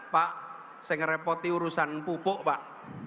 pak saya ngerepoti urusan pupuk pak